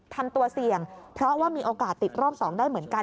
ทำตัวเสี่ยงเพราะว่ามีโอกาสติดรอบ๒ได้เหมือนกัน